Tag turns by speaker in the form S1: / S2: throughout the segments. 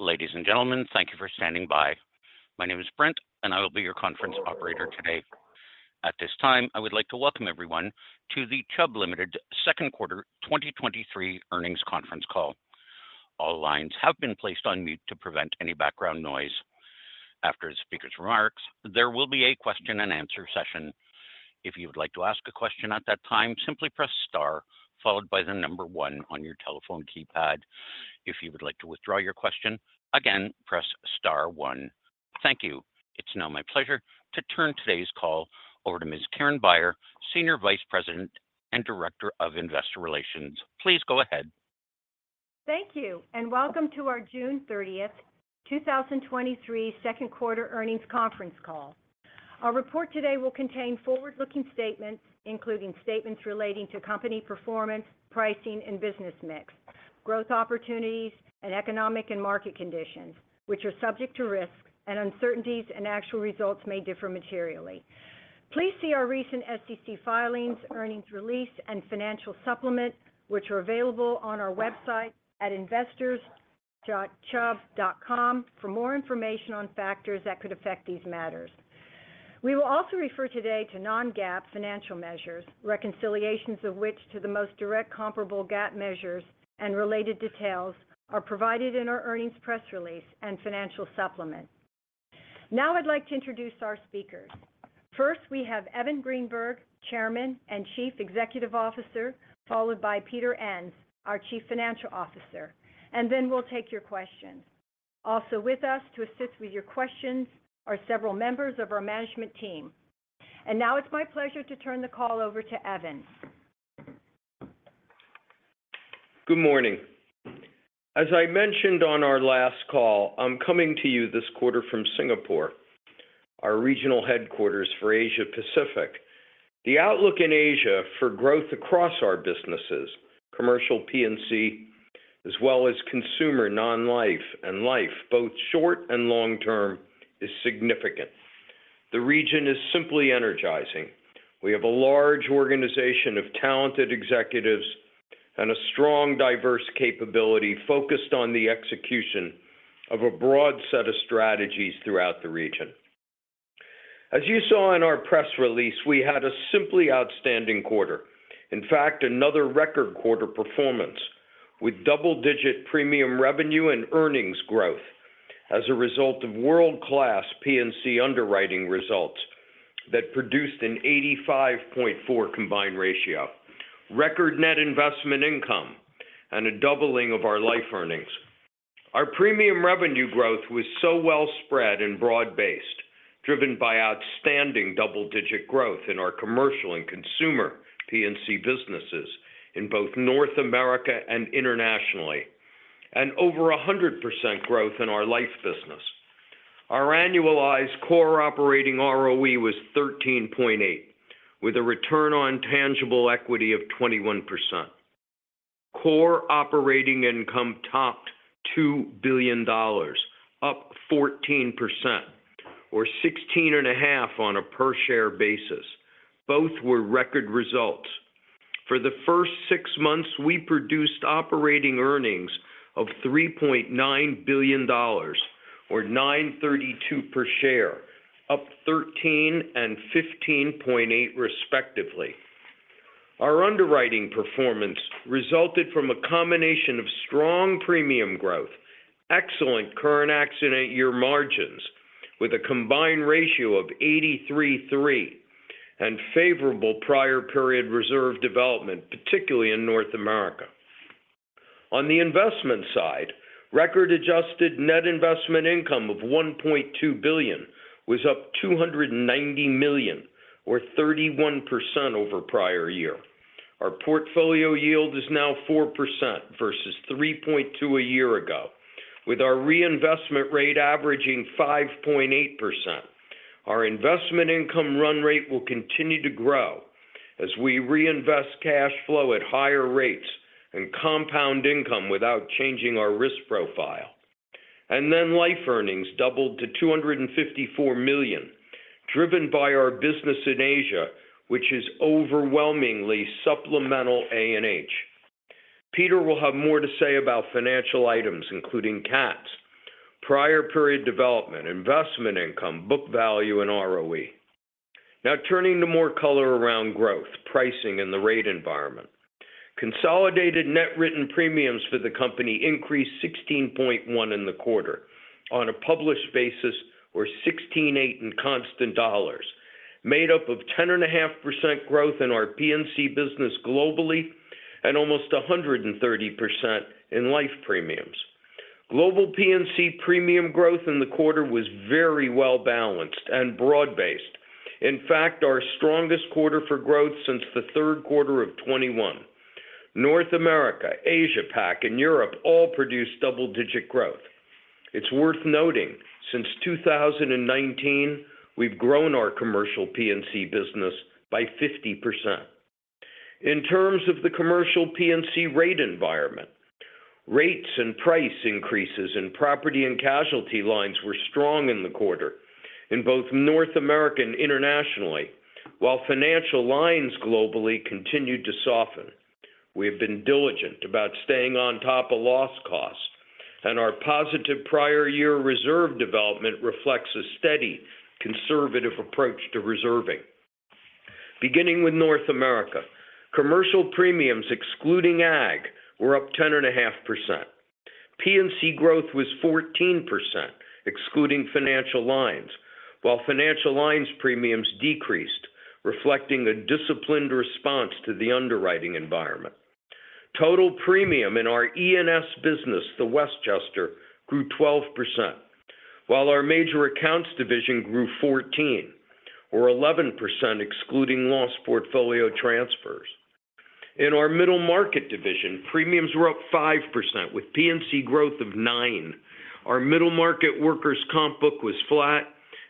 S1: Ladies and gentlemen, thank you for standing by. My name is Brent. I will be your conference operator today. At this time, I would like to welcome everyone to the Chubb Limited Q2 2023 Earnings Conference Call. All lines have been placed on mute to prevent any background noise. After the speaker's remarks, there will be a question-and-answer session. If you would like to ask a question at that time, simply press star followed by 1 on your telephone keypad. If you would like to withdraw your question, again, press star one. Thank you. It's now my pleasure to turn today's call over to Ms. Karen Beyer, Senior Vice President and Director of Investor Relations. Please go ahead.
S2: Thank you. Welcome to our June 30, 2023 Q2 Earnings Conference Call. Our report today will contain forward-looking statements, including statements relating to company performance, pricing, and business mix, growth opportunities, and economic and market conditions, which are subject to risks and uncertainties, and actual results may differ materially. Please see our recent SEC filings, earnings release, and financial supplement, which are available on our website at investors.chubb.com for more information on factors that could affect these matters. We will also refer today to non-GAAP financial measures, reconciliations of which to the most direct comparable GAAP measures and related details are provided in our earnings press release and financial supplement. Now I'd like to introduce our speakers. First, we have Evan Greenberg, Chairman and Chief Executive Officer, followed by Peter Enns, our Chief Financial Officer, and then we'll take your questions. Also with us to assist with your questions are several members of our management team. Now it's my pleasure to turn the call over to Evan.
S3: Good morning. As I mentioned on our last call, I'm coming to you this quarter from Singapore, our regional headquarters for Asia Pacific. The outlook in Asia for growth across our businesses, commercial P&C, as well as consumer non-life and life, both short and long term, is significant. The region is simply energizing. We have a large organization of talented executives and a strong, diverse capability focused on the execution of a broad set of strategies throughout the region. As you saw in our press release, we had a simply outstanding quarter. In fact, another record quarter performance, with double-digit premium revenue and earnings growth as a result of world-class P&C underwriting results that produced an 85.4 combined ratio, record net investment income, and a doubling of our life earnings. Premium revenue growth was well spread and broad-based, driven by outstanding double-digit growth in our commercial and consumer P&C businesses in both North America and internationally, and over 100% growth in our Life business. Our annualized core operating ROE was 13.8, with a return on tangible equity of 21%. Core operating income topped $2 billion, up 14%, or 16.5 on a per-share basis. Both were record results. For the first six months, we produced operating earnings of $3.9 billion, or $9.32 per share, up 13% and 15.8%, respectively. Our underwriting performance resulted from a combination of strong premium growth, excellent current accident year margins, with a combined ratio of 83.3, and favorable prior period reserve development, particularly in North America. On the investment side, record adjusted net investment income of $1.2 billion was up $290 million, or 31% over prior year. Our portfolio yield is now 4% versus 3.2% a year ago, with our reinvestment rate averaging 5.8%. Our investment income run rate will continue to grow as we reinvest cash flow at higher rates and compound income without changing our risk profile. Life earnings doubled to $254 million, driven by our business in Asia, which is overwhelmingly supplemental A&H. Peter will have more to say about financial items, including CATs, prior period development, investment income, book value, and ROE. Turning to more color around growth, pricing, and the rate environment. Consolidated net written premiums for the company increased 16.1% in the quarter on a published basis, or 16.8% in constant dollars, made up of 10.5% growth in our P&C business globally and almost 130% in life premiums. Global P&C premium growth in the quarter was very well-balanced and broad-based. In fact, our strongest quarter for growth since the Q3 of 2021. North America, Asia PAC, and Europe all produced double-digit growth. It's worth noting, since 2019, we've grown our commercial P&C business by 50%. In terms of the commercial P&C rate environment, rates and price increases in property and casualty lines were strong in the quarter in both North America and internationally, while financial lines globally continued to soften. We have been diligent about staying on top of loss costs, and our positive prior year reserve development reflects a steady, conservative approach to reserving. Beginning with North America Commercial premiums, excluding AG, were up 10.5%. P&C growth was 14%, excluding financial lines, while financial lines premiums decreased, reflecting a disciplined response to the underwriting environment. Total premium in our E&S business, Westchester, grew 12%, while our major accounts division grew 14%, or 11%, excluding loss portfolio transfers. In our middle market division, premiums were up 5%, with P&C growth of 9%. Our middle market workers' comp book was flat,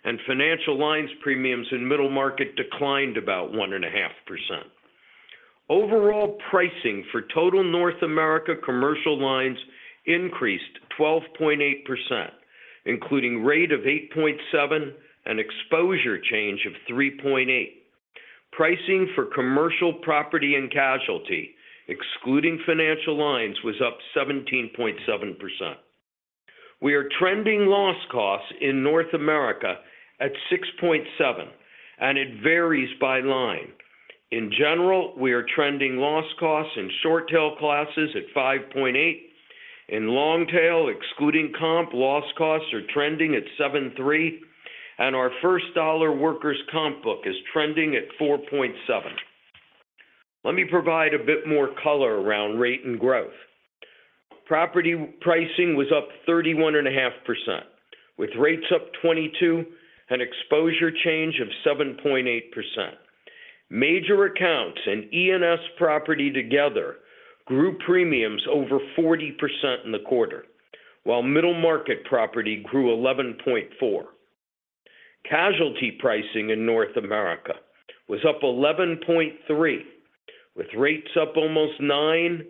S3: and financial lines premiums in middle market declined about 1.5%. Overall pricing for total North America Commercial lines increased 12.8%, including rate of 8.7% and exposure change of 3.8%. Pricing for commercial P&C, excluding Fin lines, was up 17.7%. We are trending loss costs in North America at 6.7%, and it varies by line. In general, we are trending loss costs in short-tail classes at 5.8%. In long-tail, excluding workers' comp, loss costs are trending at 7.3%, and our first dollar workers' comp book is trending at 4.7%. Let me provide a bit more color around rate and growth. Property pricing was up 31.5%, with rates up 22% and exposure change of 7.8%. Major accounts and E&S property together grew premiums over 40% in the quarter, while middle market property grew 11.4%. Casualty pricing in North America was up 11.3%, with rates up almost 9%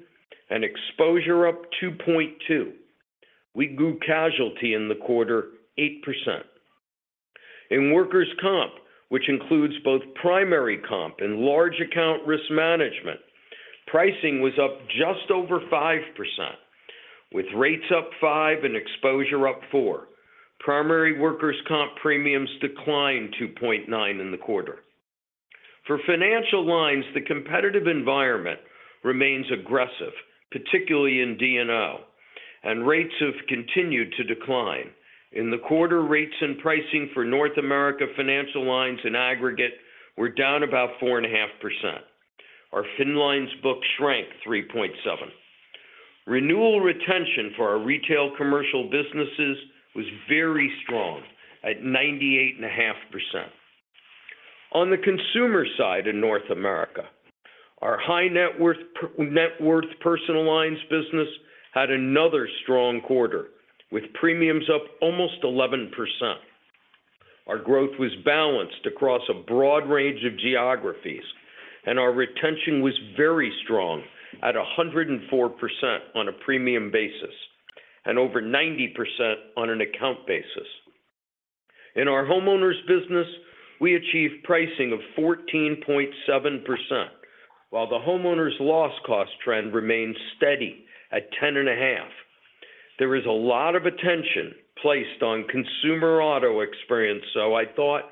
S3: and exposure up 2.2%. We grew casualty in the quarter, 8%. In workers' comp, which includes both primary comp and large account risk management, pricing was up just over 5%, with rates up 5% and exposure up 4%. Primary workers' comp premiums declined 2.9% in the quarter. For financial lines, the competitive environment remains aggressive, particularly in D&O, and rates have continued to decline. In the quarter, rates and pricing for North America Financial lines in aggregate were down about 4.5%. Our Fin lines book shrank 3.7%. Renewal retention for our retail commercial businesses was very strong at 98.5%. On the consumer side in North America, our high net worth personal lines business had another strong quarter, with premiums up almost 11%. Our growth was balanced across a broad range of geographies, our retention was very strong at 104% on a premium basis and over 90% on an account basis. In our homeowners business, we achieved pricing of 14.7%, while the homeowners' loss cost trend remains steady at 10.5%. There is a lot of attention placed on consumer auto experience, I thought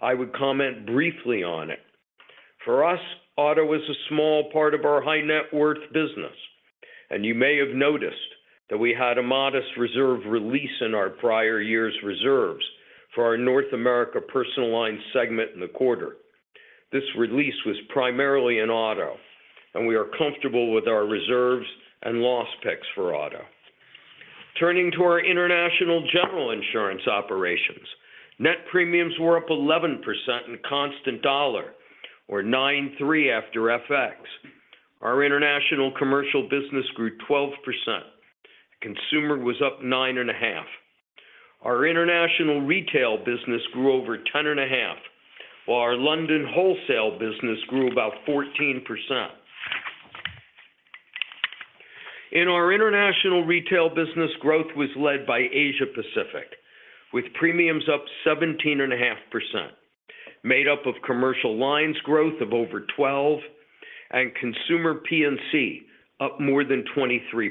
S3: I would comment briefly on it. For us, auto is a small part of our high net worth business, you may have noticed that we had a modest reserve release in our prior years' reserves for our North America personal line segment in the quarter. This release was primarily in auto, we are comfortable with our reserves and loss picks for auto. Turning to our international general insurance operations. Net premiums were up 11% in constant dollar, or 9.3% after FX. Our international commercial business grew 12%. Consumer was up 9.5%. Our international retail business grew over 10.5%, while our London wholesale business grew about 14%. In our international retail business, growth was led by Asia Pacific, with premiums up 17.5%, made up of commercial lines growth of over 12% and consumer P&C up more than 23%.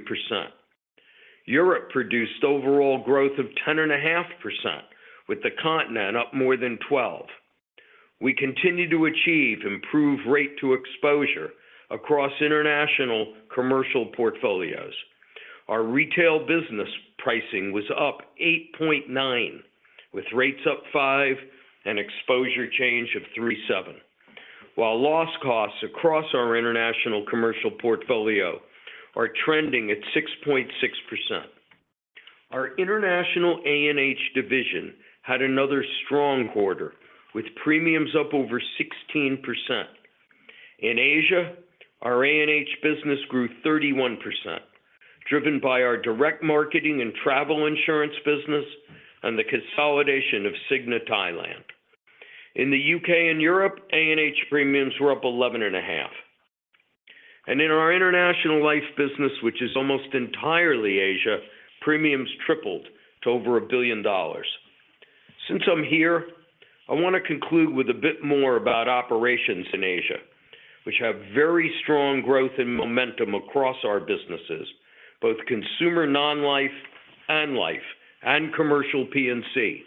S3: Europe produced overall growth of 10.5%, with the continent up more than 12%. We continued to achieve improved rate to exposure across international commercial portfolios. Our retail business pricing was up 8.9%, with rates up 5% and exposure change of 3.7%. Loss costs across our international commercial portfolio are trending at 6.6%. Our international A&H division had another strong quarter, with premiums up over 16%. In Asia, our A&H business grew 31%, driven by our direct marketing and travel insurance business and the consolidation of Cigna Thailand. In the U.K. and Europe, A&H premiums were up 11.5%. In our international life business, which is almost entirely Asia, premiums tripled to over $1 billion. Since I'm here, I want to conclude with a bit more about operations in Asia, which have very strong growth and momentum across our businesses, both consumer non-life and life, and commercial P&C.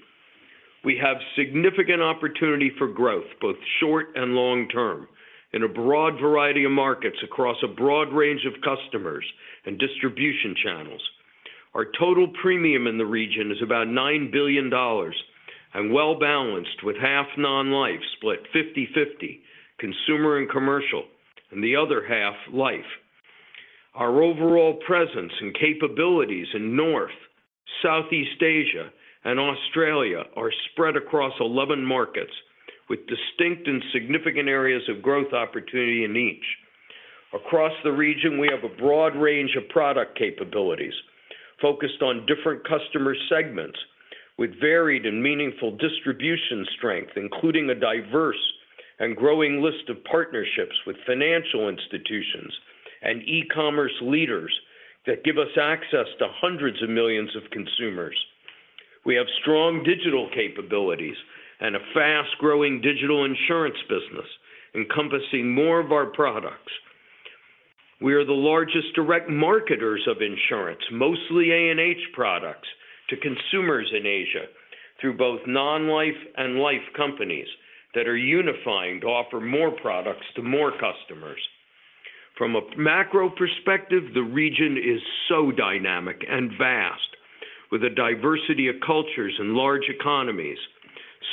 S3: We have significant opportunity for growth, both short and long term, in a broad variety of markets across a broad range of customers and distribution channels. Our total premium in the region is about $9 billion and well-balanced, with half non-life split 50/50, consumer and commercial, and the other half life. Our overall presence and capabilities in North, Southeast Asia, and Australia are spread across 11 markets, with distinct and significant areas of growth opportunity in each. Across the region, we have a broad range of product capabilities focused on different customer segments, with varied and meaningful distribution strength, including a diverse and growing list of partnerships with financial institutions and e-commerce leaders that give us access to hundreds of millions of consumers. We have strong digital capabilities and a fast-growing digital insurance business encompassing more of our products. We are the largest direct marketers of insurance, mostly A&H products, to consumers in Asia through both non-life and life companies that are unifying to offer more products to more customers. From a macro perspective, the region is so dynamic and vast, with a diversity of cultures and large economies,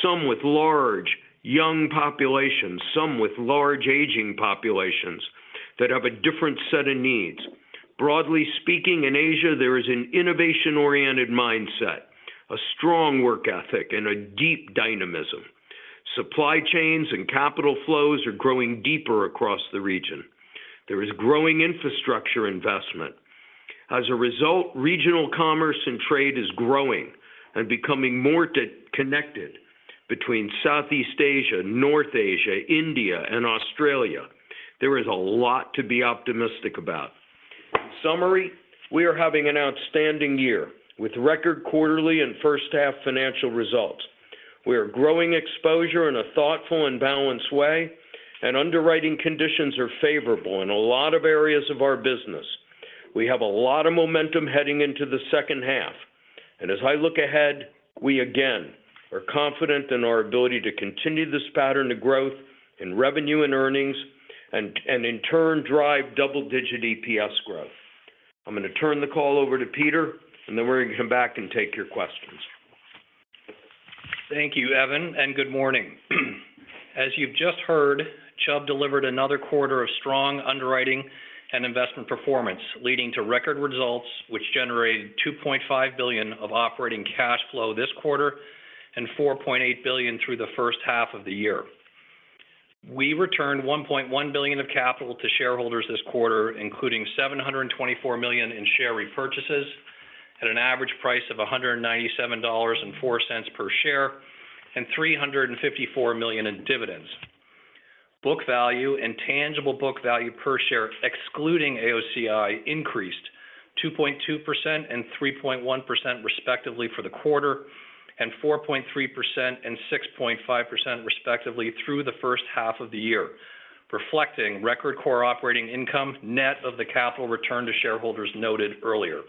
S3: some with large, young populations, some with large, aging populations that have a different set of needs. Broadly speaking, in Asia, there is an innovation-oriented mindset, a strong work ethic, and a deep dynamism. Supply chains and capital flows are growing deeper across the region. There is growing infrastructure investment. As a result, regional commerce and trade is growing and becoming more connected between Southeast Asia, North Asia, India, and Australia. There is a lot to be optimistic about. In summary, we are having an outstanding year, with record quarterly and first half financial results. We are growing exposure in a thoughtful and balanced way, and underwriting conditions are favorable in a lot of areas of our business. We have a lot of momentum heading into the second half, and as I look ahead, we again are confident in our ability to continue this pattern of growth in revenue and earnings and in turn, drive double-digit EPS growth. I'm going to turn the call over to Peter, and then we're going to come back and take your questions.
S4: Thank you, Evan. Good morning. As you've just heard, Chubb delivered another quarter of strong underwriting and investment performance, leading to record results, which generated $2.5 billion of operating cash flow this quarter and $4.8 billion through the first half of the year. We returned $1.1 billion of capital to shareholders this quarter, including $724 million in share repurchases at an average price of $197.04 per share, and $354 million in dividends. Book value and tangible book value per share, excluding AOCI, increased 2.2% and 3.1%, respectively, for the quarter, and 4.3% and 6.5%, respectively, through the first half of the year, reflecting record core operating income net of the capital return to shareholders noted earlier.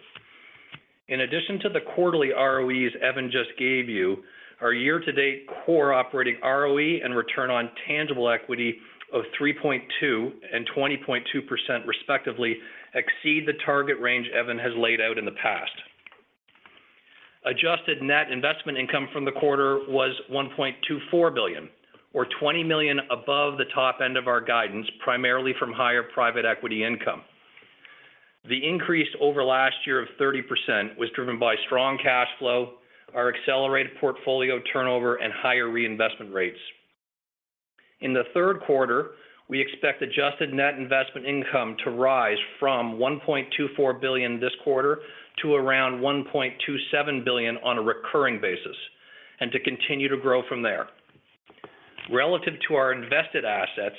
S4: In addition to the quarterly ROEs Evan just gave you, our year-to-date core operating ROE and return on tangible equity of 3.2 and 20.2% respectively, exceed the target range Evan has laid out in the past. Adjusted Net investment income from the quarter was $1.24 billion, or $20 million above the top end of our guidance, primarily from higher private equity income. The increase over last year of 30% was driven by strong cash flow, our accelerated portfolio turnover, and higher reinvestment rates. In the Q3, we expect Adjusted Net investment income to rise from $1.24 billion this quarter to around $1.27 billion on a recurring basis, and to continue to grow from there. Relative to our invested assets,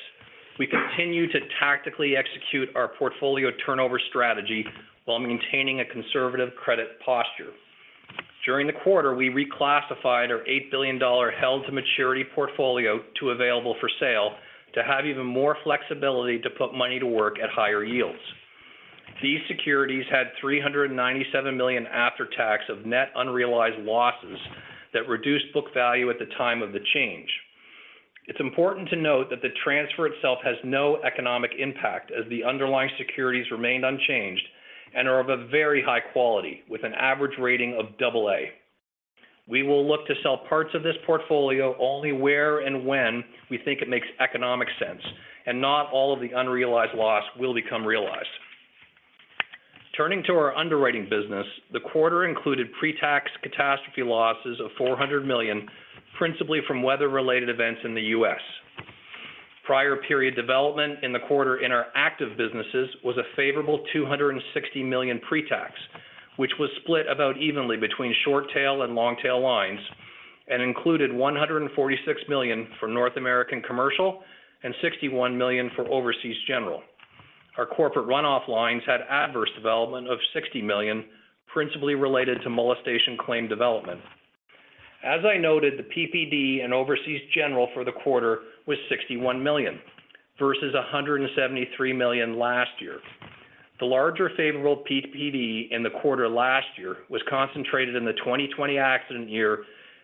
S4: we continue to tactically execute our portfolio turnover strategy while maintaining a conservative credit posture. During the quarter, we reclassified our $8 billion held-to-maturity portfolio to available for sale to have even more flexibility to put money to work at higher yields. These securities had $397 million after-tax of net unrealized losses that reduced book value at the time of the change. It's important to note that the transfer itself has no economic impact, as the underlying securities remained unchanged and are of a very high quality, with an average rating of double A. We will look to sell parts of this portfolio only where and when we think it makes economic sense, and not all of the unrealized loss will become realized. Turning to our underwriting business, the quarter included pre-tax catastrophe losses of $400 million, principally from weather-related events in the U.S. Prior period development in the quarter in our active businesses was a favorable $260 million pre-tax, which was split about evenly between short-tail and long-tail lines and included $146 million for North America Commercial and $61 million for Overseas General....
S3: Our corporate runoff lines had adverse development of $60 million, principally related to molestation claim development. As I noted, the PPD and Overseas General for the quarter was $61 million, versus $173 million last year. The larger favorable PPD in the quarter last year was concentrated in the 2020 accident year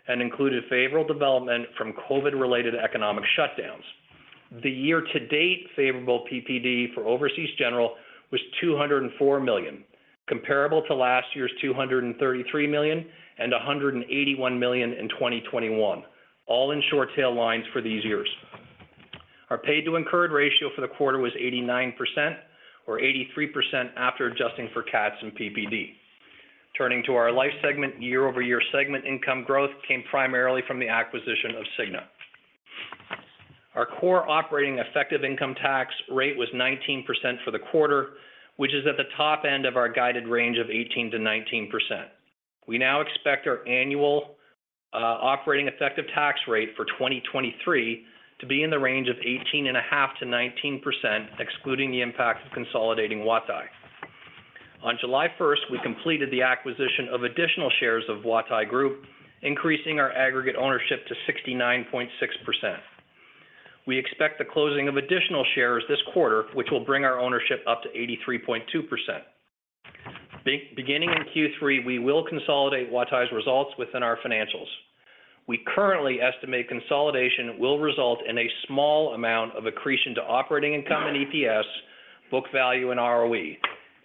S3: and included favorable development from COVID-related economic shutdowns. The year-to-date favorable PPD for Overseas General was $204 million, comparable to last year's $233 million, and $181 million in 2021, all in short-tail lines for these years. Our paid-to-incurred ratio for the quarter was 89%, or 83% after adjusting for CATs and PPD. Turning to our Life segment, year-over-year segment income growth came primarily from the acquisition of Cigna. Our core operating effective income tax rate was 19% for the quarter, which is at the top end of our guided range of 18 to 19%. We now expect our annual operating effective tax rate for 2023 to be in the range of 18.5 to 19%, excluding the impact of consolidating Huatai. On July 1st, we completed the acquisition of additional shares of Huatai Group, increasing our aggregate ownership to 69.6%. We expect the closing of additional shares this quarter, which will bring our ownership up to 83.2%. Beginning in Q3, we will consolidate Huatai's results within our financials. We currently estimate consolidation will result in a small amount of accretion to operating income and EPS, book value and ROE,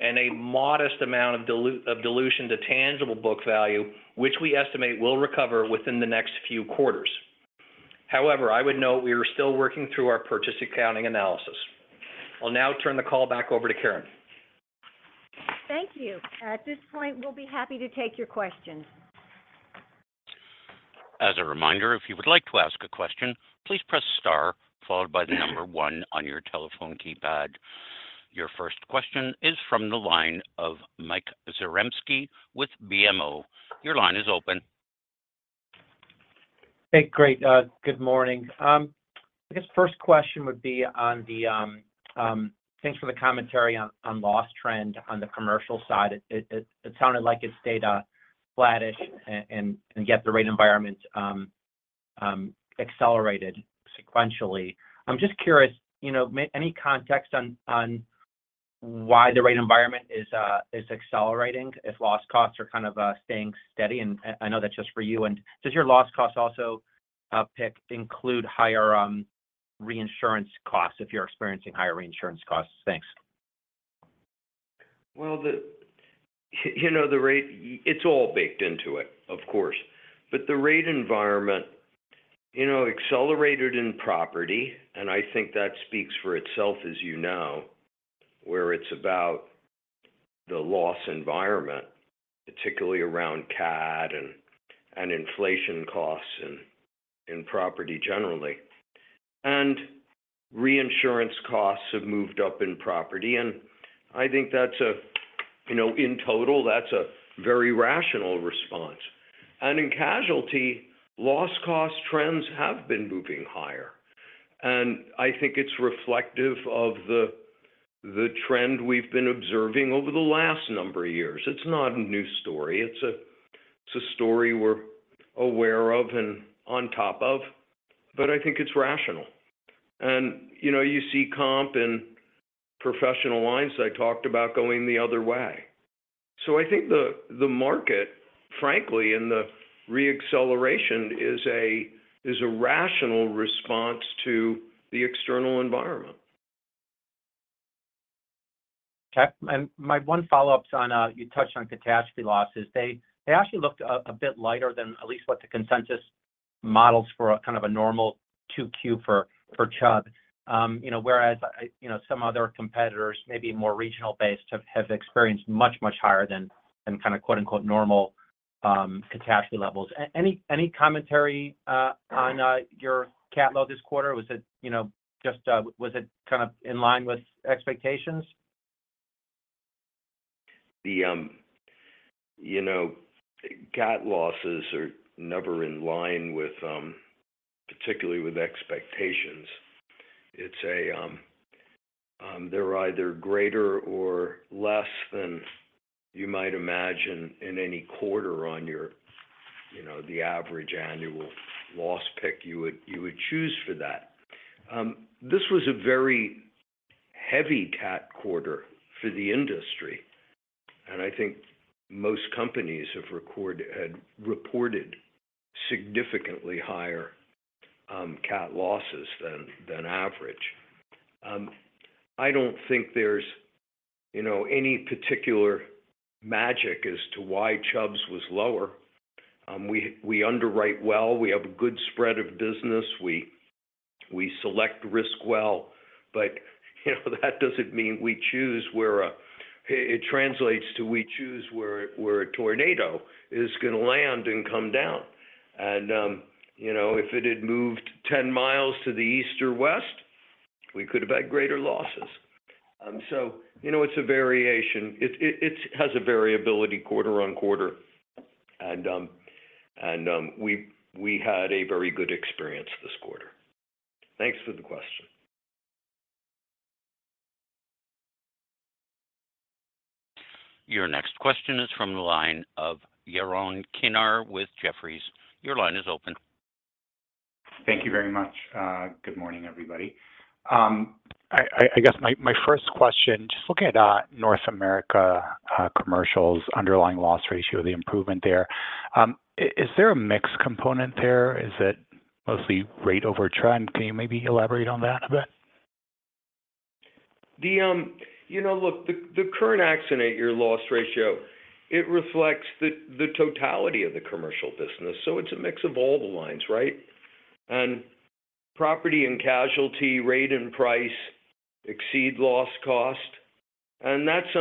S3: and a modest amount of dilution to tangible book value, which we estimate will recover within the next few quarters. I would note we are still working through our purchase accounting analysis. I'll now turn the call back over to Karen.
S2: Thank you. At this point, we'll be happy to take your questions.
S1: As a reminder, if you would like to ask a question, please press star followed by the number 1 on your telephone keypad. Your first question is from the line of Mike Zaremski with BMO. Your line is open.
S5: Hey, great, good morning. Thanks for the commentary on loss trend on the commercial side. It sounded like it stayed flattish, and yet the rate environment accelerated sequentially. I'm just curious, you know, may any context on why the rate environment is accelerating if loss costs are kind of staying steady? I know that's just for you. Does your loss cost also pick include higher reinsurance costs if you're experiencing higher reinsurance costs? Thanks.
S3: Well, you know, the rate it's all baked into it, of course. The rate environment, you know, accelerated in property, and I think that speaks for itself, as you know, where it's about the loss environment, particularly around CAT and inflation costs and property generally. Reinsurance costs have moved up in property, and I think you know, in total, that's a very rational response. In casualty, loss cost trends have been moving higher, and I think it's reflective of the trend we've been observing over the l ast number of years. It's not a new story. It's a story we're aware of and on top of, but I think it's rational. You know, you see comp and professional lines I talked about going the other way. I think the market, frankly, and the re-acceleration is a, is a rational response to the external environment.
S5: Okay. My one follow-up on, you touched on catastrophe losses. They actually looked a bit lighter than at least what the consensus models for a kind of a normal 2Q for Chubb. You know, whereas, I, you know, some other competitors, maybe more regional-based, have experienced much, much higher than kind of quote-unquote, "normal," catastrophe levels. Any commentary on your CAT load this quarter? Was it, you know, was it kind of in line with expectations?
S3: The, you know, CAT losses are never in line with particularly with expectations. It's a, they're either greater or less than you might imagine in any quarter on your, you know, the average annual loss pick you would choose for that. This was a very heavy CAT quarter for the industry, I think most companies had reported significantly higher CAT losses than average. I don't think there's, you know, any particular magic as to why Chubb's was lower. We underwrite well, we have a good spread of business, we select risk well, but you know, that doesn't mean we choose where it translates to we choose where a tornado is gonna land and come down. You know, if it had moved 10 miles to the east or west, we could have had greater losses. You know, it's a variation. It has a variability quarter-on-quarter. We had a very good experience this quarter. Thanks for the question.
S1: Your next question is from the line of Yaron Kinar with Jefferies. Your line is open.
S6: Thank you very much. Good morning, everybody. I guess my first question, just looking at North America Commercial's underlying loss ratio, the improvement there, is there a mixed component there? Is it mostly rate over trend? Can you maybe elaborate on that a bit?
S3: The, you know, look, the current accident year loss ratio, it reflects the totality of the commercial business, so it's a mix of all the lines, right? Property and casualty, rate and price exceed loss cost, and that's,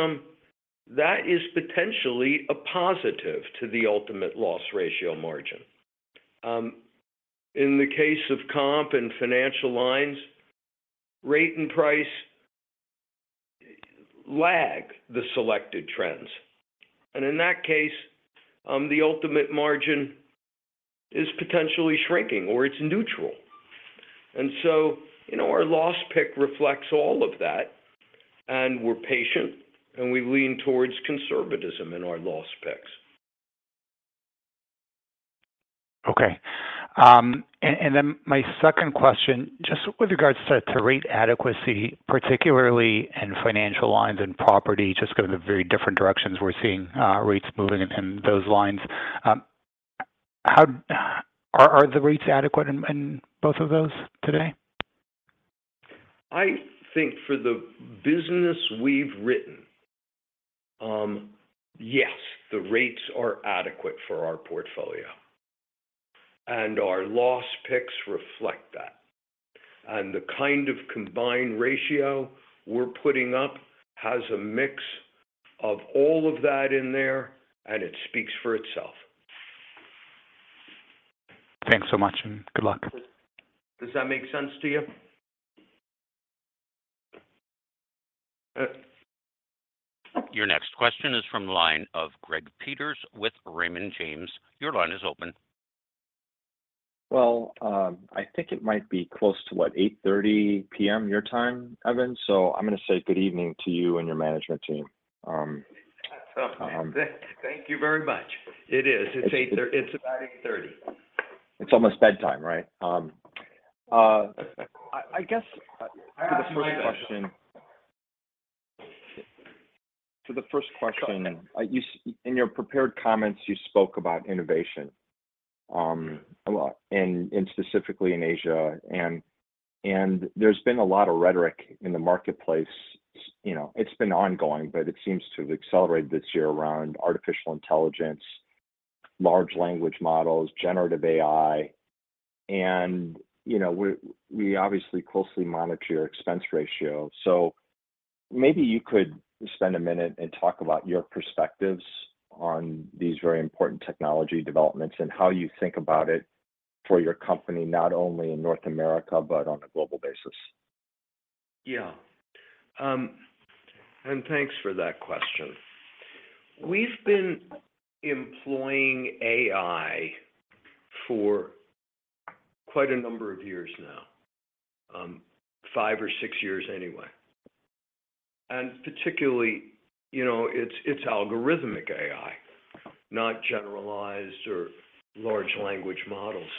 S3: that is potentially a positive to the ultimate loss ratio margin. In the case of comp and financial lines, rate and price lag the selected trends, and in that case, the ultimate margin is potentially shrinking or it's neutral. You know, our loss pick reflects all of that, and we're patient, and we lean towards conservatism in our loss picks.
S6: Okay. And then my second question, just with regards to rate adequacy, particularly in financial lines and property, just kind of the very different directions we're seeing rates moving in those lines. Are the rates adequate in both of those today?
S3: I think for the business we've written, yes, the rates are adequate for our portfolio, and our loss picks reflect that. The kind of combined ratio we're putting up has a mix of all of that in there, and it speaks for itself.
S6: Thanks so much, and good luck.
S3: Does that make sense to you?
S1: Your next question is from the line of Greg Peters with Raymond James. Your line is open.
S7: I think it might be close to, what, 8:30 P.M. your time, Evan, so I'm going to say good evening to you and your management team.
S3: Thank you very much. It is.
S7: It's-
S3: It's about 8:30 A.M.
S7: It's almost bedtime, right? I guess.
S3: I ask for my bedtime.
S7: for the first question, in your prepared comments, you spoke about innovation a lot, and specifically in Asia. There's been a lot of rhetoric in the marketplace, you know, it's been ongoing, but it seems to have accelerated this year around artificial intelligence, large language models, generative AI. You know, we obviously closely monitor your expense ratio. Maybe you could spend a minute and talk about your perspectives on these very important technology developments and how you think about it for your company, not only in North America, but on a global basis.
S3: Thanks for that question. We've been employing AI for quite a number of years now, 5 or 6 years anyway. Particularly, you know, it's algorithmic AI, not generalized or large language models.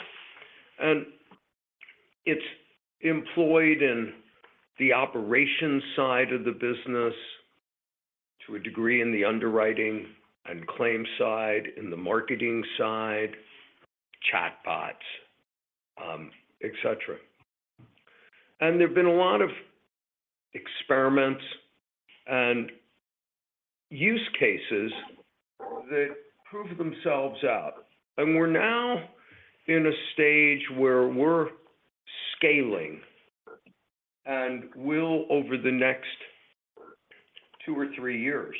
S3: It's employed in the operations side of the business to a degree in the underwriting and claim side, in the marketing side, chatbots, et cetera. There have been a lot of experiments and use cases that prove themselves out, and we're now in a stage where we're scaling, and will over the next 2 or 3 years,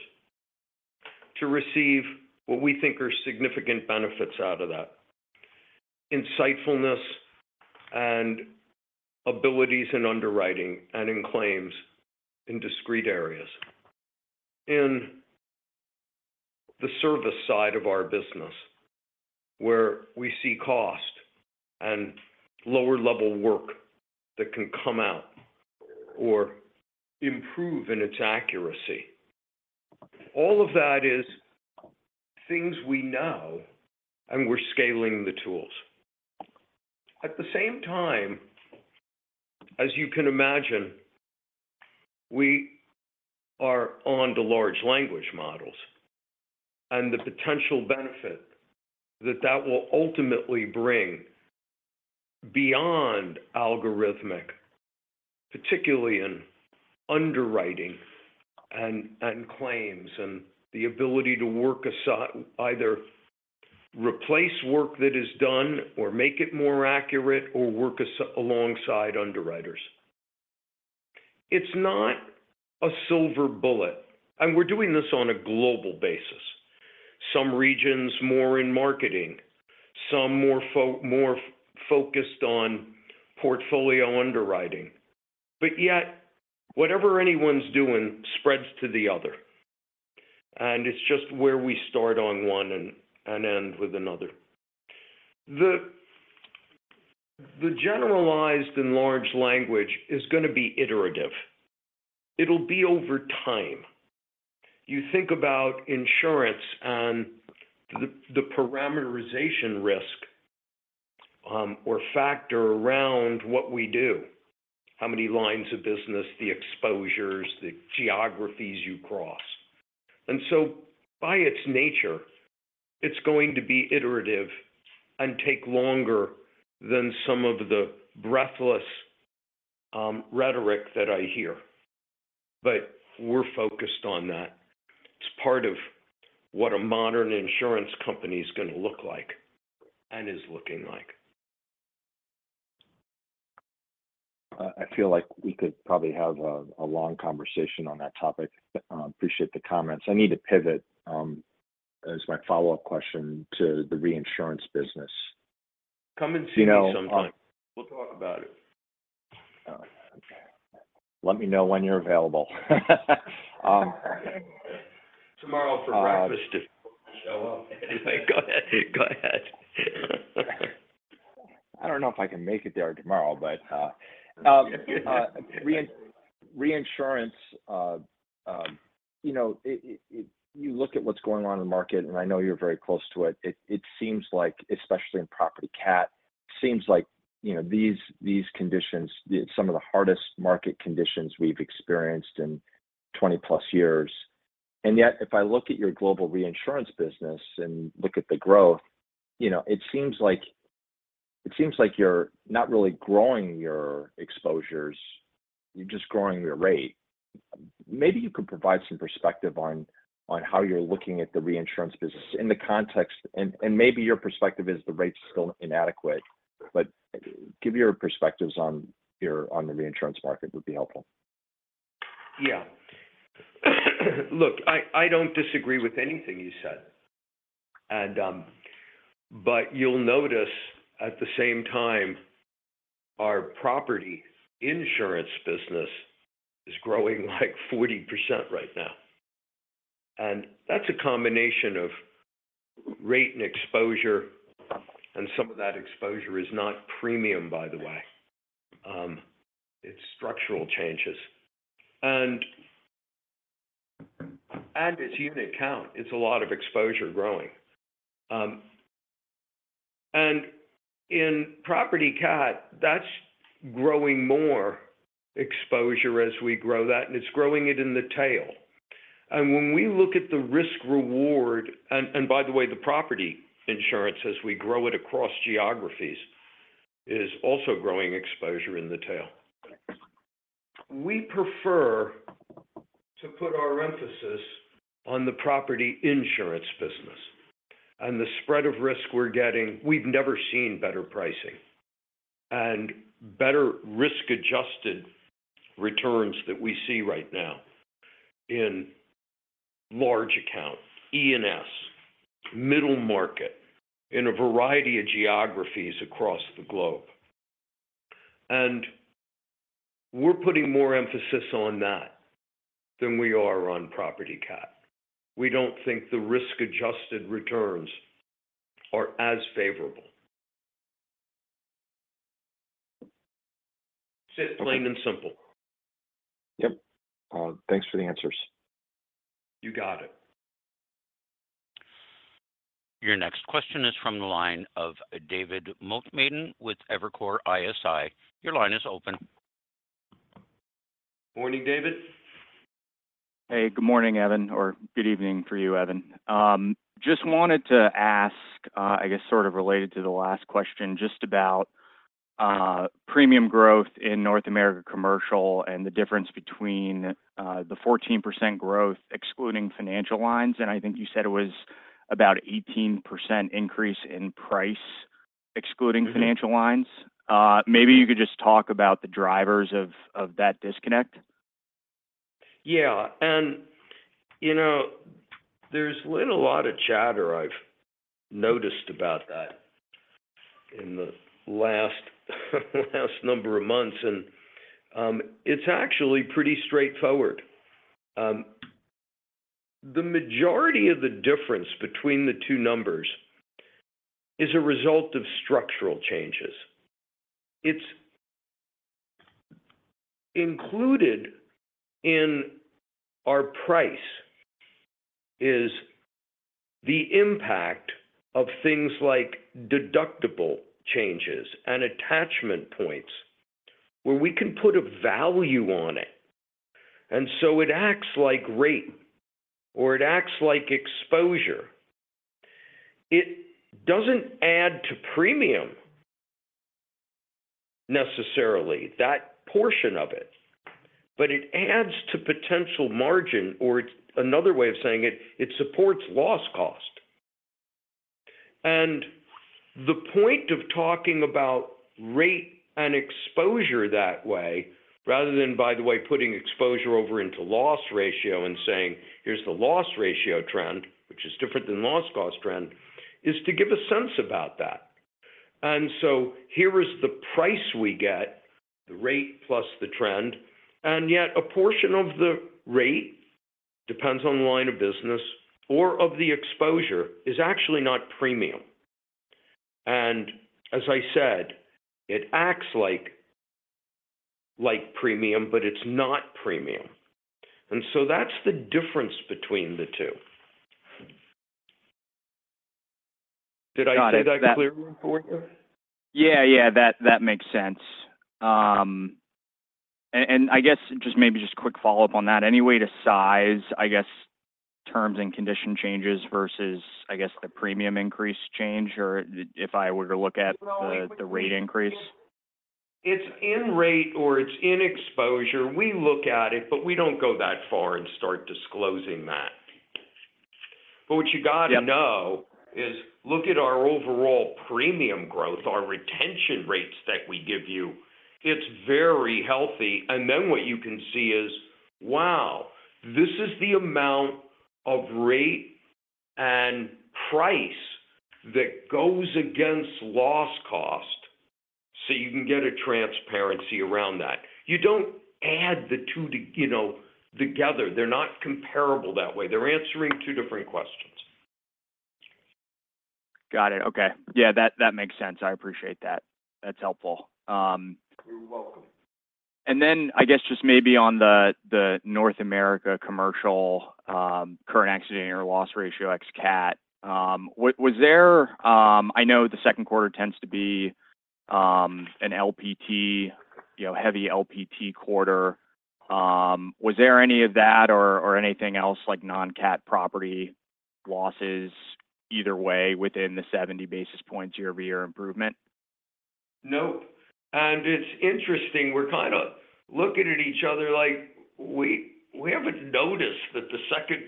S3: to receive what we think are significant benefits out of that. Insightfulness and abilities in underwriting and in claims in discrete areas. In the service side of our business, where we see cost and lower level work that can come out or improve in its accuracy. All of that is things we know, and we're scaling the tools. At the same time, as you can imagine, we are on to large language models and the potential benefit that will ultimately bring beyond algorithmic, particularly in underwriting and claims, and the ability to work either replace work that is done or make it more accurate, or work alongside underwriters. It's not a silver bullet. We're doing this on a global basis. Some regions, more in marketing, some more focused on portfolio underwriting. Whatever anyone's doing spreads to the other, and it's just where we start on one and end with another. The generalized and large language is going to be iterative. It'll be over time. You think about insurance and the parameterization risk, or factor around what we do, how many lines of business, the exposures, the geographies you cross. By its nature, it's going to be iterative and take longer than some of the breathless rhetoric that I hear. We're focused on that. It's part of what a modern insurance company's gonna look like and is looking like.
S7: I feel like we could probably have a long conversation on that topic. Appreciate the comments. I need to pivot, as my follow-up question to the reinsurance business. You know.
S3: Come and see me sometime. We'll talk about it.
S7: Okay. Let me know when you're available.
S3: Tomorrow for breakfast. Show up.
S7: Go ahead. Go ahead. I don't know if I can make it there tomorrow, but reinsurance, you know, you look at what's going on in the market, and I know you're very close to it seems like, especially in property cat, seems like, you know, these conditions, some of the hardest market conditions we've experienced in 20-plus years. Yet, if I look at your global reinsurance business and look at the growth, you know, it seems like you're not really growing your exposures, you're just growing your rate. Maybe you could provide some perspective on how you're looking at the reinsurance business in the context... Maybe your perspective is the rates are still inadequate, but give your perspectives on the reinsurance market would be helpful.
S3: Yeah. Look, I don't disagree with anything you said. But you'll notice, at the same time, our property insurance business is growing, like, 40% right now, and that's a combination of rate and exposure, and some of that exposure is not premium, by the way. It's structural changes. Add this unit count, it's a lot of exposure growing. In property cat, that's growing more exposure as we grow that, and it's growing it in the tail. When we look at the risk-reward... By the way, the property insurance, as we grow it across geographies, is also growing exposure in the tail. We prefer to put our emphasis on the property insurance business and the spread of risk we're getting. We've never seen better pricing and better risk-adjusted returns that we see right now in large account, E&S, middle market, in a variety of geographies across the globe. We're putting more emphasis on that than we are on property cat. We don't think the risk-adjusted returns are as favorable. It's plain and simple.
S7: Yep. Thanks for the answers.
S3: You got it.
S1: Your next question is from the line of David Motemaden with Evercore ISI. Your line is open.
S3: Morning, David.
S8: Good morning, Evan, or good evening for you, Evan. Just wanted to ask, I guess sort of related to the last question, just about premium growth in North America Commercial and the difference between the 14% growth, excluding financial lines, and I think you said it was about 18% increase in price, excluding...
S3: Mm-hmm...
S8: financial lines. Maybe you could just talk about the drivers of that disconnect.
S3: Yeah, you know, there's been a lot of chatter I've noticed about that in the last number of months, and it's actually pretty straightforward. The majority of the difference between the two numbers is a result of structural changes. It's included in our price, is the impact of things like deductible changes and attachment points, where we can put a value on it, and so it acts like rate or it acts like exposure. It doesn't add to premium, necessarily, that portion of it, but it adds to potential margin, or another way of saying it supports loss cost. The point of talking about rate and exposure that way, rather than, by the way, putting exposure over into loss ratio and saying, "Here's the loss ratio trend," which is different than loss cost trend, is to give a sense about that.... Here is the price we get, the rate plus the trend, and yet a portion of the rate, depends on the line of business or of the exposure, is actually not premium. As I said, it acts like premium, but it's not premium. That's the difference between the two. Did I say that clearly for you?
S8: Yeah, yeah, that makes sense. I guess just maybe just a quick follow-up on that, any way to size, I guess, terms and condition changes versus, I guess, the premium increase change, or if I were to look at the rate increase?
S3: It's in rate or it's in exposure. We look at it, but we don't go that far and start disclosing that.
S8: Yep.
S3: What you got to know is look at our overall premium growth, our retention rates that we give you. It's very healthy. Then what you can see is, wow, this is the amount of rate and price that goes against loss cost, so you can get a transparency around that. You don't add the 2, you know, together. They're not comparable that way. They're answering 2 different questions.
S8: Got it. Okay. Yeah, that makes sense. I appreciate that. That's helpful.
S3: You're welcome.
S8: I guess just maybe on the North America Commercial, current accident year loss ratio ex CAT. I know the Q2 tends to be an LPT, you know, heavy LPT quarter. Was there any of that or anything else like non-CAT property losses either way within the 70 basis points year-over-year improvement?
S3: No. It's interesting, we're kind of looking at each other like we haven't noticed that the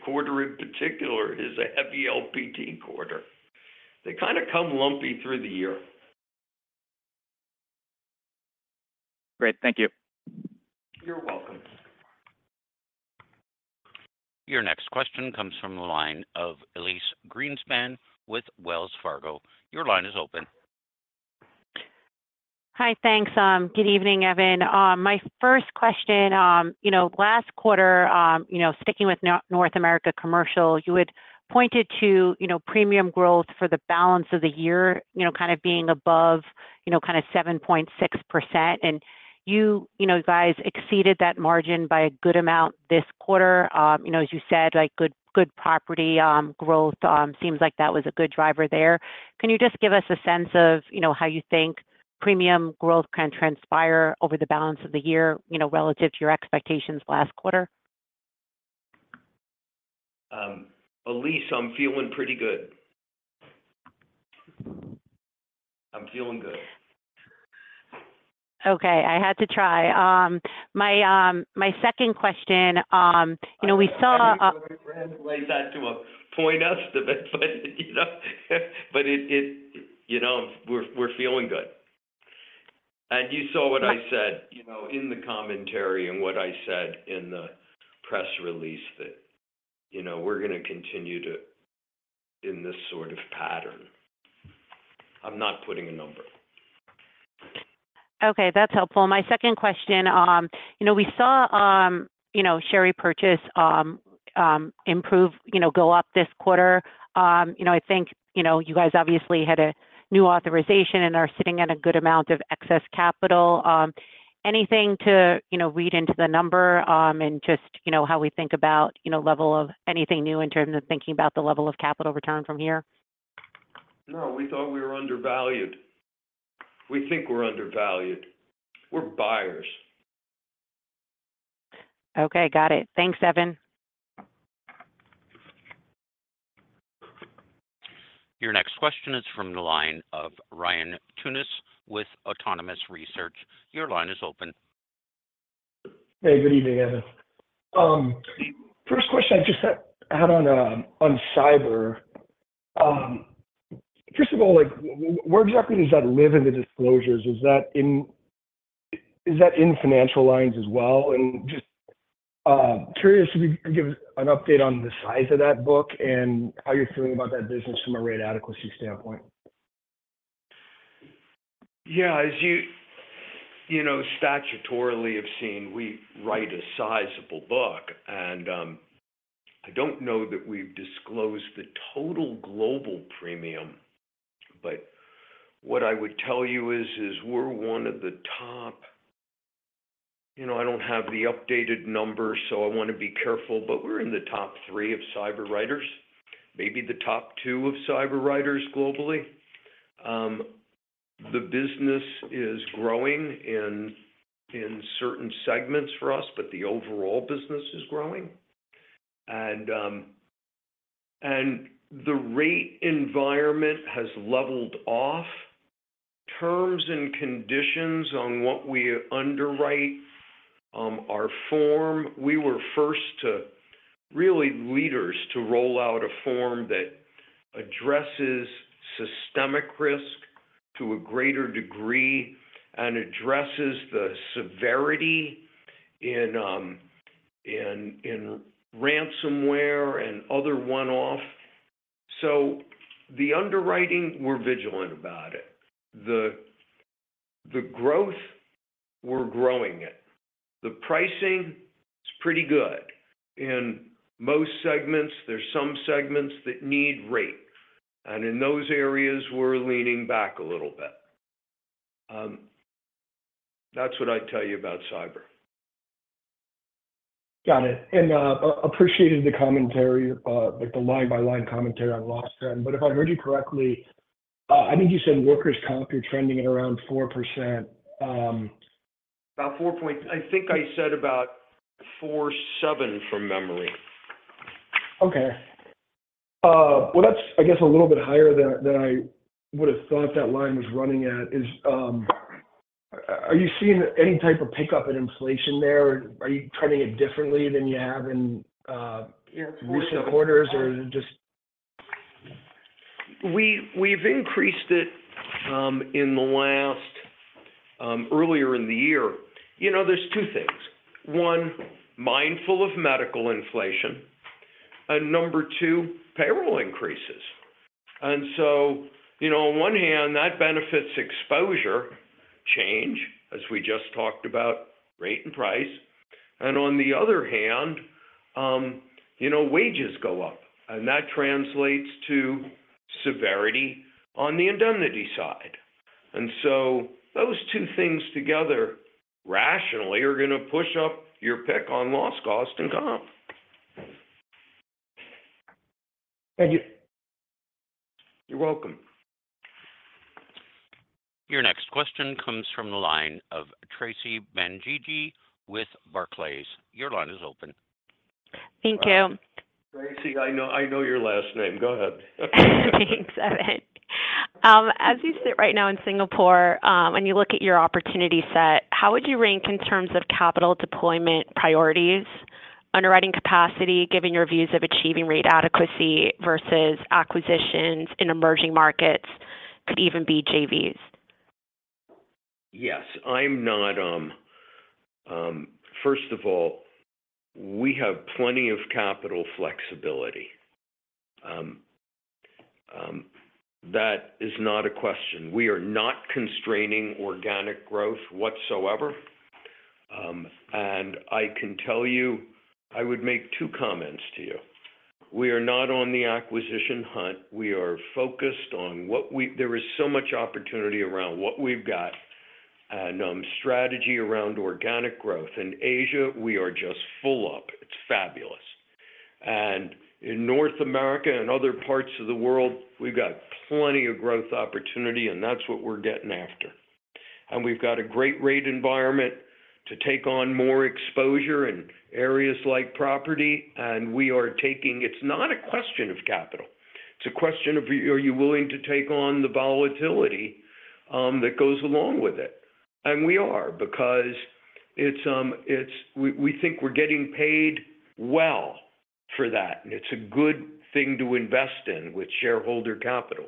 S3: Q2, in particular, is a heavy LPT quarter. They kind of come lumpy through the year.
S8: Great. Thank you.
S3: You're welcome.
S1: Your next question comes from the line of Elyse Greenspan with Wells Fargo. Your line is open.
S9: Hi. Thanks. good evening, Evan. My first question, you know, last quarter, you know, sticking with North America Commercial, you had pointed to, you know, premium growth for the balance of the year, you know, kind of being above, you know, kind of 7.6%. You, you know, you guys exceeded that margin by a good amount this quarter. you know, as you said, like, good property, growth, seems like that was a good driver there. Can you just give us a sense of, you know, how you think premium growth can transpire over the balance of the year, you know, relative to your expectations last quarter?
S3: Elyse, I'm feeling pretty good. I'm feeling good.
S9: I had to try. My second question, you know, we saw.
S3: Translate that to a point estimate, but, you know, it. You know, we're feeling good. You saw what I said, you know, in the commentary and what I said in the press release that, you know, we're going to continue to in this sort of pattern. I'm not putting a number.
S9: Okay, that's helpful. My second question, you know, we saw, you know, share purchase improve, you know, go up this quarter. You know, I think, you know, you guys obviously had a new authorization and are sitting at a good amount of excess capital. Anything to, you know, read into the number, and just, you know, how we think about, you know, level of anything new in terms of thinking about the level of capital return from here?
S3: No, we thought we were undervalued. We think we're undervalued. We're buyers.
S9: Okay, got it. Thanks, Evan.
S1: Your next question is from the line of Ryan Tunis with Autonomous Research. Your line is open.
S10: Hey, good evening, Evan. First question I just had on cyber. First of all, like, where exactly does that live in the disclosures? Is that in financial lines as well? Just curious if you could give us an update on the size of that book and how you're feeling about that business from a rate adequacy standpoint.
S3: As you know, statutorily have seen, we write a sizable book, I don't know that we've disclosed the total global premium, but what I would tell you is, we're one of the top. You know, I don't have the updated numbers, so I want to be careful, but we're in the top three of cyber writers, maybe the top two of cyber writers globally. The business is growing in certain segments for us, but the overall business is growing. The rate environment has leveled off. Terms and conditions on what we underwrite, our form, we were first to really leaders to roll out a form that addresses systemic risk to a greater degree and addresses the severity in ransomware and other one-off. The underwriting, we're vigilant about it. The growth, we're growing it. The pricing is pretty good in most segments. There's some segments that need rate, and in those areas, we're leaning back a little bit. That's what I'd tell you about cyber.
S10: Got it. Appreciating the commentary, like the line-by-line commentary on loss then. If I heard you correctly, I think you said workers' comp are trending at around 4%, about 4.
S3: I think I said about 47 from memory.
S10: Okay. Well, that's, I guess, a little bit higher than I would have thought that line was running at. Are you seeing any type of pickup in inflation there, or are you trending it differently than you have in recent quarters, or is it just?
S3: We've increased it in the last earlier in the year. You know, there's two things: 1, mindful of medical inflation, and number 2, payroll increases. You know, on one hand, that benefits exposure change, as we just talked about, rate and price, and on the other hand, you know, wages go up, and that translates to severity on the indemnity side. Those two things together, rationally, are going to push up your pick on loss cost and comp.
S10: Thank you.
S3: You're welcome.
S1: Your next question comes from the line of Tracy Benguigui with Barclays. Your line is open.
S11: Thank you.
S3: Tracy, I know, I know your last name. Go ahead.
S11: Thanks, Evan. As you sit right now in Singapore, you look at your opportunity set, how would you rank in terms of capital deployment priorities, underwriting capacity, giving your views of achieving rate adequacy versus acquisitions in emerging markets, could even be JVs?
S3: Yes. I'm not. First of all, we have plenty of capital flexibility. That is not a question. We are not constraining organic growth whatsoever, and I can tell you, I would make two comments to you. We are not on the acquisition hunt. We are focused on there is so much opportunity around what we've got, and strategy around organic growth. In Asia, we are just full up. It's fabulous. In North America and other parts of the world, we've got plenty of growth opportunity, and that's what we're getting after. We've got a great rate environment to take on more exposure in areas like property, and we are taking. It's not a question of capital, it's a question of, are you willing to take on the volatility that goes along with it? We are, because we think we're getting paid well for that, and it's a good thing to invest in with shareholder capital.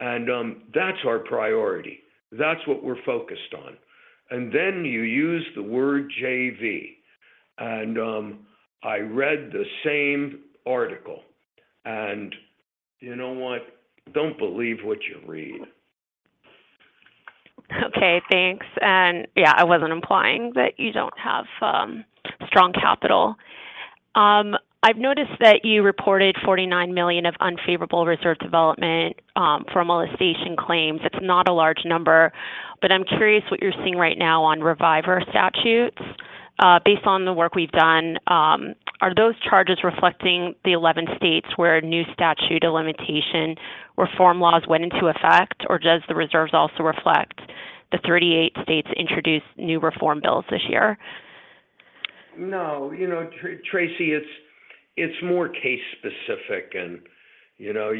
S3: That's our priority. That's what we're focused on. Then you use the word JV. I read the same article. You know what? Don't believe what you read.
S11: Okay, thanks. Yeah, I wasn't implying that you don't have strong capital. I've noticed that you reported $49 million of unfavorable reserve development from molestation claims. It's not a large number, but I'm curious what you're seeing right now on reviver statutes. Based on the work we've done, are those charges reflecting the 11 states where new statute of limitations reform laws went into effect, or does the reserves also reflect the 38 states introduced new reform bills this year?
S3: No. You know, Tracy, it's more case specific and, you know,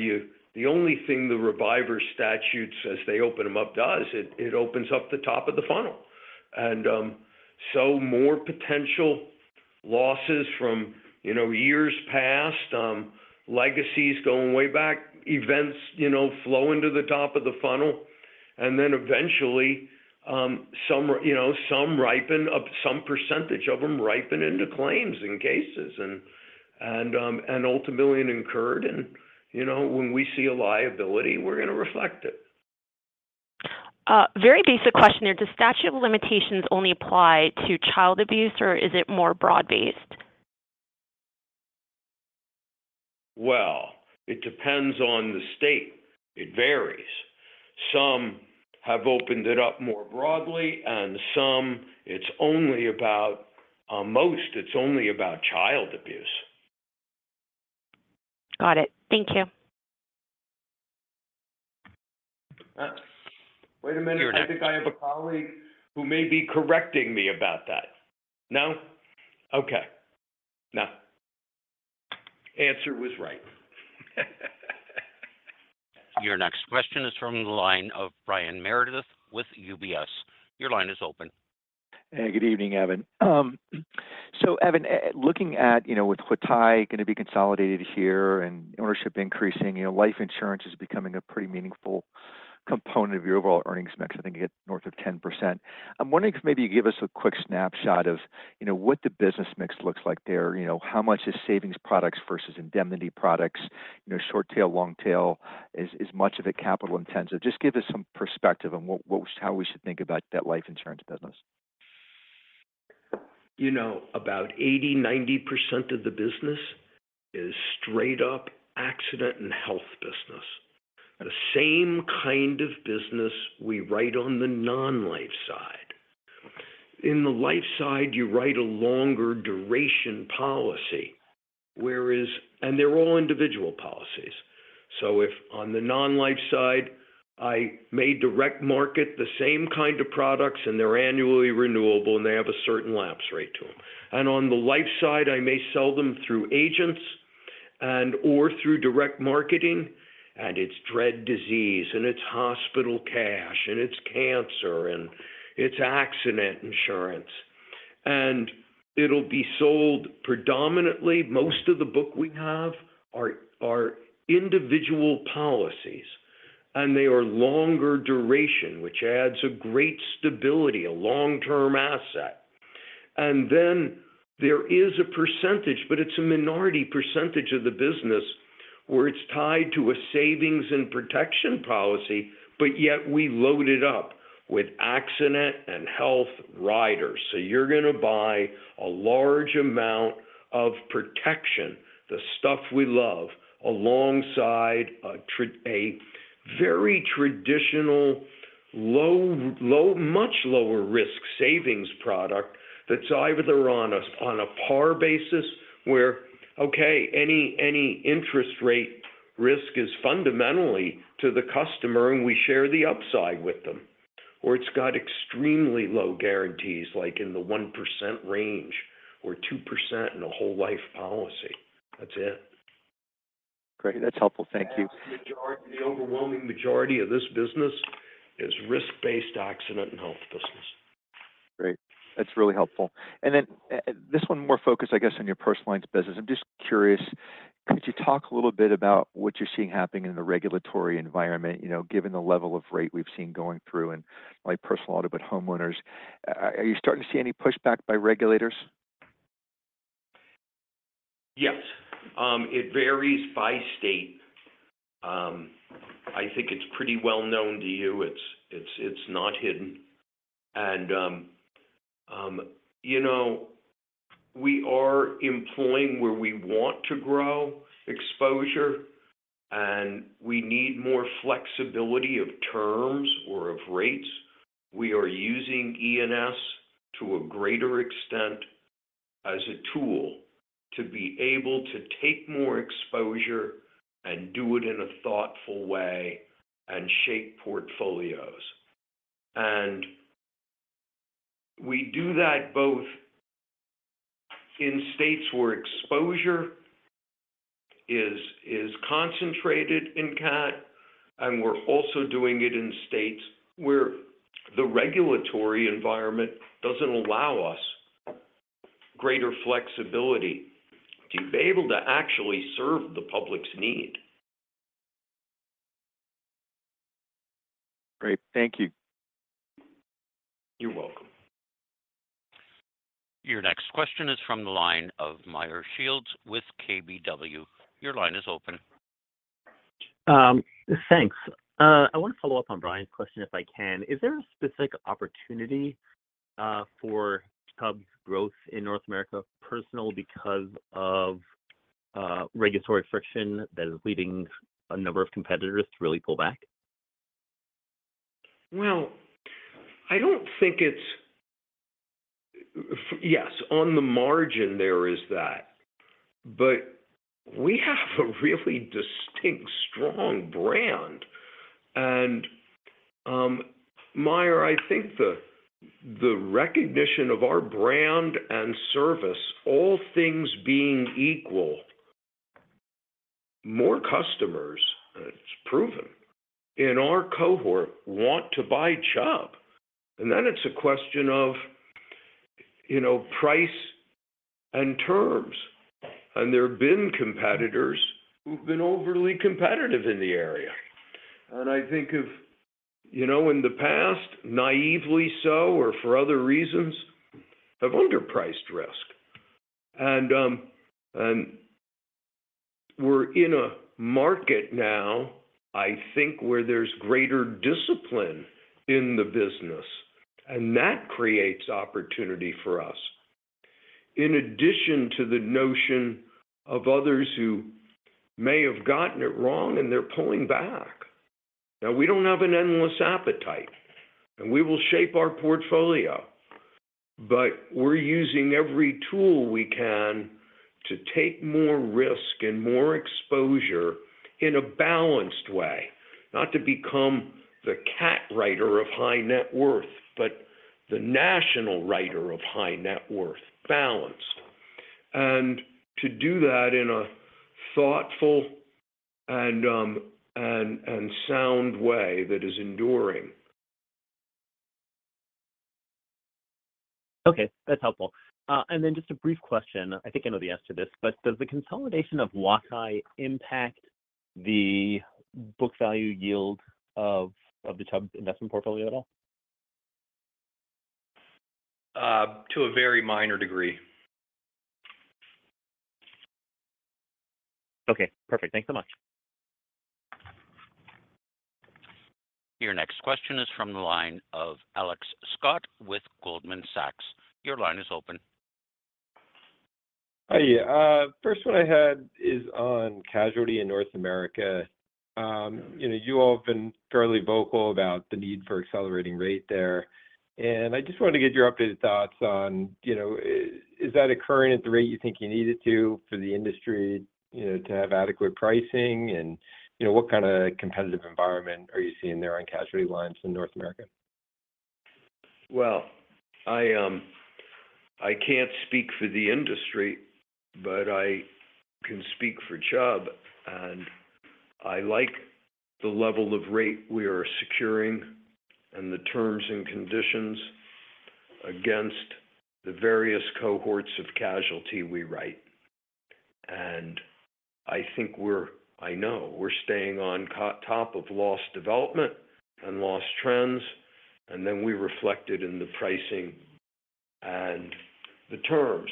S3: the only thing the reviver statutes, as they open them up, does, it opens up the top of the funnel. So more potential losses from, you know, years past, legacies going way back, events, you know, flowing to the top of the funnel, and then eventually, some ripen up, some percentage of them ripen into claims and cases and ultimately, incurred, you know, when we see a liability, we're going to reflect it.
S11: Very basic question here: Does statute of limitations only apply to child abuse, or is it more broad-based?
S3: Well, it depends on the state. It varies. Some have opened it up more broadly. Some it's only about child abuse.
S11: Got it. Thank you.
S3: Wait a minute.
S1: Your next-
S3: I think I have a colleague who may be correcting me about that. No? Okay. No. Answer was right.
S1: Your next question is from the line of Brian Meredith with UBS. Your line is open.
S12: Hey, good evening, Evan. Evan, looking at, you know, with Huatai going to be consolidated here and ownership increasing, you know, life insurance is becoming a pretty meaningful component of your overall earnings mix. I think it gets north of 10%. I'm wondering if maybe you give us a quick snapshot of, you know, what the business mix looks like there. You know, how much is savings products versus indemnity products? You know, short tail, long tail, is much of it capital intensive? Just give us some perspective on what, how we should think about that life insurance business.
S3: You know, about 80%, 90% of the business is straight up accident and health business. The same kind of business we write on the non-life side. In the life side, you write a longer duration policy. They're all individual policies. If on the non-life side, I may direct market the same kind of products, and they're annually renewable, and they have a certain lapse rate to them. On the life side, I may sell them through agents and/or through direct marketing, and it's dread disease, and it's hospital cash, and it's cancer, and it's accident insurance. It'll be sold predominantly, most of the book we have are individual policies, and they are longer duration, which adds a great stability, a long-term asset. There is a percentage, but it's a minority percentage of the business, where it's tied to a savings and protection policy, but yet we load it up with accident and health riders. You're going to buy a large amount of protection, the stuff we love, alongside a very traditional, low, much lower risk savings product that's either on a par basis, where, okay, any interest rate risk is fundamentally to the customer, and we share the upside with them. It's got extremely low guarantees, like in the 1% range or 2% in a whole life policy. That's it.
S12: Great. That's helpful. Thank you.
S3: Majority, the overwhelming majority of this business is risk-based accident and health business.
S12: Great, that's really helpful. Then, this one more focused, I guess, on your personal lines business. I'm just curious, could you talk a little bit about what you're seeing happening in the regulatory environment, you know, given the level of rate we've seen going through and like personal auto, but homeowners, are you starting to see any pushback by regulators?
S3: Yes. It varies by state. I think it's pretty well known to you. It's not hidden. You know, we are employing where we want to grow exposure, and we need more flexibility of terms or of rates. We are using E&S to a greater extent as a tool to be able to take more exposure and do it in a thoughtful way and shape portfolios. We do that both in states where exposure is concentrated in CAT, and we're also doing it in states where the regulatory environment doesn't allow us greater flexibility to be able to actually serve the public's need.
S12: Great. Thank you.
S3: You're welcome.
S1: Your next question is from the line of Meyer Shields s with KBW. Your line is open.
S13: Thanks. I want to follow up on Brian's question, if I can. Is there a specific opportunity for Chubb's growth in North America Personal because of regulatory friction that is leading a number of competitors to really pull back?
S3: I don't think it's yes, on the margin, there is that, but we have a really distinct, strong brand. Meyer, I think the recognition of our brand and service, all things being equal, more customers, and it's proven, in our cohort, want to buy Chubb. Then it's a question of, you know, price and terms, and there have been competitors who've been overly competitive in the area. I think of, you know, in the past, naively so or for other reasons, have underpriced risk. We're in a market now, I think, where there's greater discipline in the business, and that creates opportunity for us, in addition to the notion of others who may have gotten it wrong and they're pulling back. We don't have an endless appetite, and we will shape our portfolio, but we're using every tool we can to take more risk and more exposure in a balanced way. Not to become the CAT writer of high net worth, but the national writer of high net worth, balanced. To do that in a thoughtful and sound way that is enduring.
S12: Okay, that's helpful. Just a brief question. I think I know the answer to this, but does the consolidation of Huatai impact the book value yield of the Chubb investment portfolio at all?
S3: to a very minor degree.
S12: Okay, perfect. Thanks so much.
S1: Your next question is from the line of Alex Scott with Goldman Sachs. Your line is open.
S14: Hi. First one I had is on casualty in North America. You know, you all have been fairly vocal about the need for accelerating rate there, and I just wanted to get your updated thoughts on, you know, is that occurring at the rate you think you need it to for the industry, you know, to have adequate pricing? You know, what kind of competitive environment are you seeing there on casualty lines in North America?
S3: Well, I can't speak for the industry, but I can speak for Chubb, and I like the level of rate we are securing and the terms and conditions against the various cohorts of casualty we write. I think I know we're staying on top of loss development and loss trends, and then we reflect it in the pricing and the terms.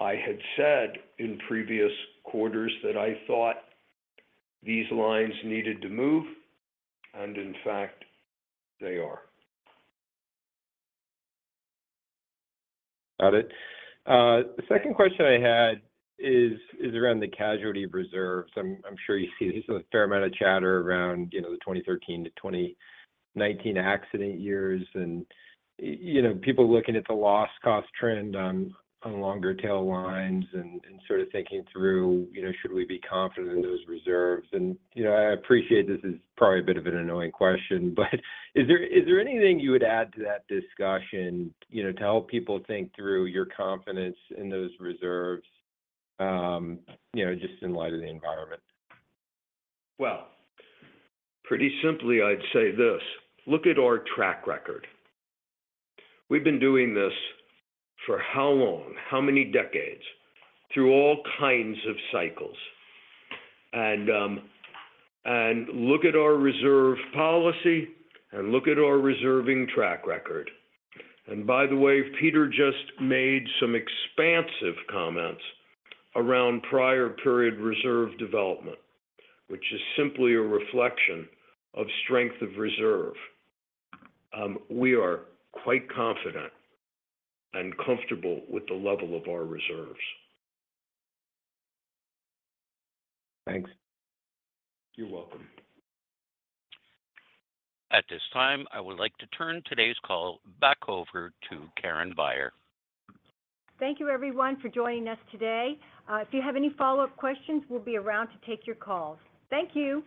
S3: I had said in previous quarters that I thought these lines needed to move, and in fact, they are.
S14: Got it. The second question I had is around the casualty reserves. I'm sure you see there's a fair amount of chatter around, you know, the 2013 to 2019 accident years, and, you know, people looking at the loss cost trend on longer tail lines and sort of thinking through, you know, should we be confident in those reserves? You know, I appreciate this is probably a bit of an annoying question, but is there anything you would add to that discussion, you know, to help people think through your confidence in those reserves, you know, just in light of the environment?
S3: Well, pretty simply, I'd say this: look at our track record. We've been doing this for how long? How many decades? Through all kinds of cycles. Look at our reserve policy, and look at our reserving track record. By the way, Peter just made some expansive comments around prior period reserve development, which is simply a reflection of strength of reserve. We are quite confident and comfortable with the level of our reserves.
S14: Thanks.
S3: You're welcome.
S1: At this time, I would like to turn today's call back over to Karen Beyer.
S2: Thank you, everyone, for joining us today. If you have any follow-up questions, we'll be around to take your calls. Thank you!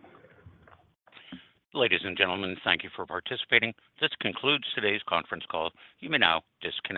S1: Ladies and gentlemen, thank you for participating. This concludes today's conference call. You may now disconnect.